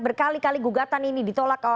berkali kali gugatan ini ditolak